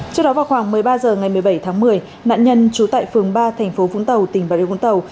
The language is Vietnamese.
trước đó vào khoảng một mươi ba h ngày một mươi bảy tháng một mươi nạn nhân trú tại phường ba thành phố vũng tàu tỉnh bà điều vũng tàu